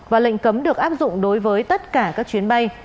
và lệnh cấm được áp dụng đối với tất cả các chuyến bay